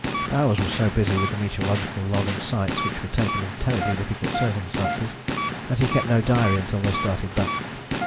Bowers was so busy with the meteorological log and sights which were taken in terribly difficult circumstances that he kept no diary until they started back.